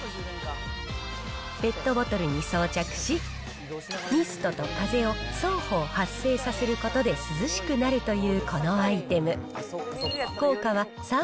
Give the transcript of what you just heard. ペットボトルに装着し、ミストと風を双方発生させることで涼しくなるというこのアイテム。